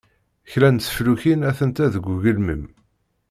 Kra n teflukin atent-a deg ugelmim.